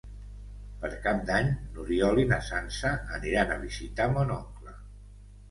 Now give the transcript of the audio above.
Per Cap d'Any n'Oriol i na Sança aniran a visitar mon oncle.